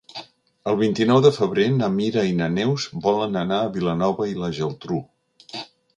El vint-i-nou de febrer na Mira i na Neus volen anar a Vilanova i la Geltrú.